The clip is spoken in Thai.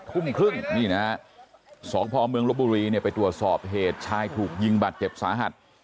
ทุ่มครึ่งนี่นะฮะสพเมืองลบบุรีเนี่ยไปตรวจสอบเหตุชายถูกยิงบาดเจ็บสาหัส